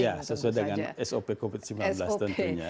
ya sesuai dengan sop covid sembilan belas tentunya